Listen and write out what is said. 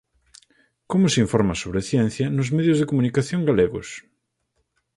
Como se informa sobre ciencia nos medios de comunicación galegos?